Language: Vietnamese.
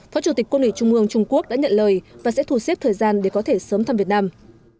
phó chủ tịch quân ủy trung ương trung quốc đã nhận lời và sẽ thu xếp thời gian để có thể sớm thăm việt nam